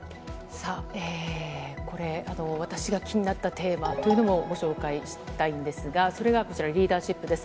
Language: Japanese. さあ、これ、私が気になったテーマというのもご紹介したいんですが、それがこちら、リーダーシップです。